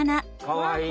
かわいい。